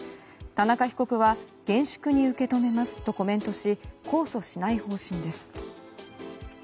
田中被告は厳粛に受け止めますとコメントし控訴しない方針です。